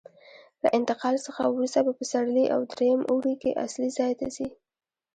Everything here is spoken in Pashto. له انتقال څخه وروسته په پسرلي او درېیم اوړي کې اصلي ځای ته ځي.